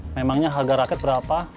memangnya harga raket berapa